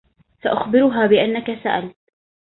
سأخبرها بأنك سألت.